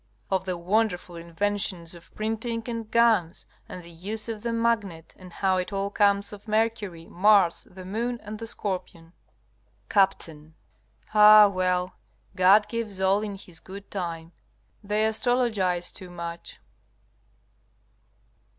of the wonderful inventions of printing and guns, and the use of the magnet, and how it all comes of Mercury, Mars, the Moon, and the Scorpion! Capt. Ah, well! God gives all in His good time. They astrologize too much.